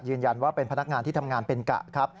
ยืนยันว่าเป็นพนักงานที่ทำงานเป็นกะครับ